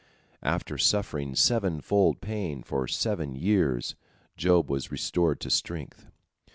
After suffering sevenfold pain for seven years Job was restored to strength.